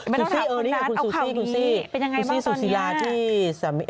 มันต้องถามขุนนั้นเอาข่าวนี้ซีวิวซีซิร่าที่สามี